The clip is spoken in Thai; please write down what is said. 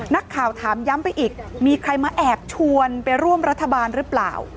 นักข่าวถามย้ำไปอีกมีใครมาแอบชวนไปร่วมรัฐบาลหรือเปล่า